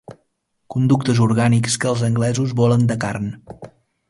Conductes orgànics que els anglesos volen de carn.